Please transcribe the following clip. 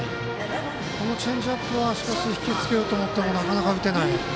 このチェンジアップは少しひきつけようと思ったらなかなか、打てない。